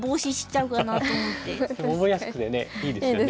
でも覚えやすくてねいいですよね。